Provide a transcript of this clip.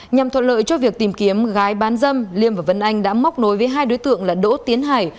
nhằm thuận lợi cho việc tìm kiếm gái bán dâm liêm và vân anh đã móc nối với hai đối tượng là đỗ tiến hải